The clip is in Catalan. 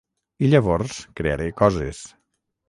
I llavors crearé coses.